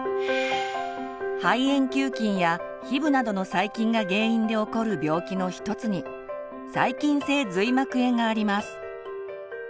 肺炎球菌やヒブなどの細菌が原因で起こる病気の一つに「細菌性髄膜炎」があります。